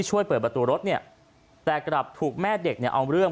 ช่วยเปิดประตูรถเนี่ยแต่กลับถูกแม่เด็กเนี่ยเอาเรื่อง